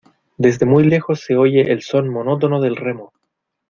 desde muy lejos se oye el son monótono del remo.